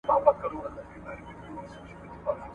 نړیوال سازمانونه د اقتصادي ودې لپاره اسانتیاوې برابروي.